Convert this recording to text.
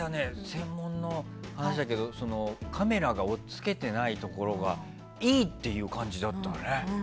専門の話だけどカメラがおっつけてないところがいいっていう感じだったね。